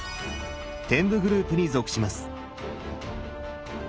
天部グループに属します。